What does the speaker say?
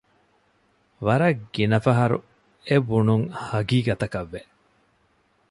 ވަރަށް ގިނަ ފަހަރު އެބުނުން ހަގީގަތަކަށް ވެ